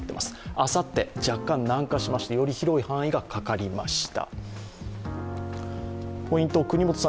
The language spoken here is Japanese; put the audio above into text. あさって、若干、南下しましてより広い範囲がかかりました。